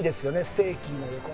ステーキの横の。